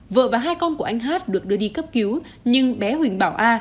vợ và hai con của anh hát được đưa đi cấp cứu nhưng bé huỳnh bảo a